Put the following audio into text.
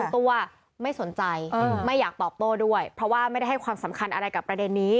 ตัวไม่สนใจไม่อยากตอบโต้ด้วยเพราะว่าไม่ได้ให้ความสำคัญอะไรกับประเด็นนี้